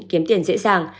kiếm tiền dễ dàng